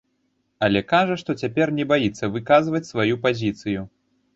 Але кажа, што цяпер не баіцца выказваць сваю пазіцыю.